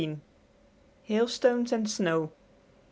HAILSTONES AND SNOW.